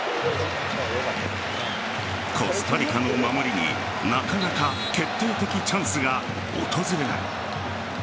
コスタリカの守りになかなか決定的チャンスが訪れない。